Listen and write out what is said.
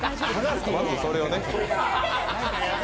まずそれをね。